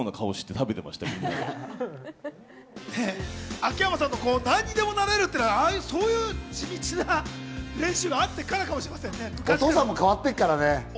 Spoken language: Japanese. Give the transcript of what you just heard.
秋山さんの何にでもなれるってのは、そういう地道な練習があったからかもしれませんね。